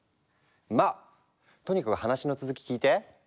まあとにかく話の続き聞いて！